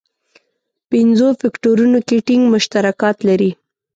پنځو فکټورونو کې ټینګ مشترکات لري.